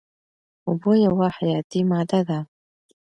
اوبه یوه حیاتي ماده ده.